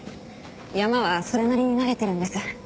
山はそれなりに慣れてるんです。